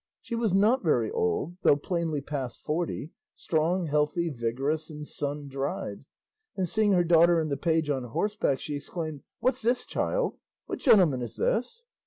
She was not very old, though plainly past forty, strong, healthy, vigorous, and sun dried; and seeing her daughter and the page on horseback, she exclaimed, "What's this, child? What gentleman is this?"